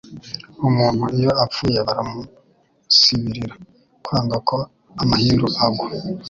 Umuntu iyo apfuye baramusibirira, kwanga ko amahindu agwa